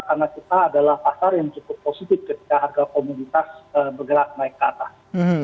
karena kita adalah pasar yang cukup positif ketika harga komoditas bergerak naik ke atas